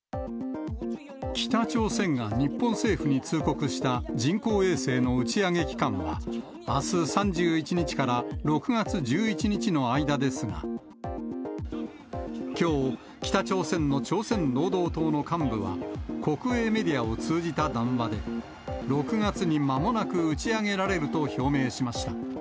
北朝鮮が日本政府に通告した人工衛星の打ち上げ期間は、あす３１日から６月１１日の間ですが、きょう、北朝鮮の朝鮮労働党の幹部は、国営メディアを通じた談話で、６月にまもなく打ち上げられると表明しました。